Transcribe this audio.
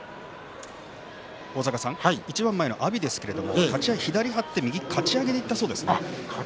一番前の阿炎ですが初め左を張って右かち上げでいったそうです。